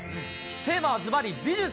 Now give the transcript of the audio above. テーマはずばり美術。